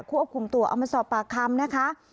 ควบคุมตัวเอามาสอบปากคำนะคะ